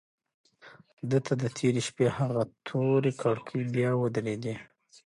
ده ته د تېرې شپې هغه تورې کړکۍ بیا ودرېدې.